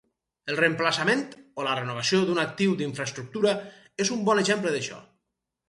El reemplaçament o la renovació d'un actiu d'infraestructura és un bon exemple d'això.